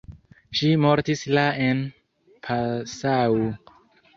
Ŝi mortis la en Passau.